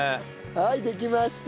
はいできました！